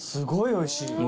おいしい。